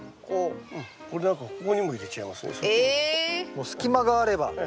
もう隙間があれば。